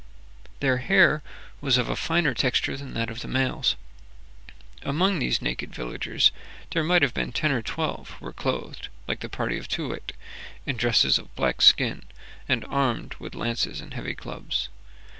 Their hair was of a finer texture than that of the males. Among these naked villagers there might have been ten or twelve who were clothed, like the party of Too wit, in dresses of black skin, and armed with lances and heavy clubs.